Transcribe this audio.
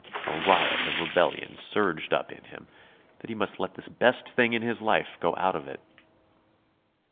A riot of rebellion surged up in him, that he must let this best thing in his life go out of it.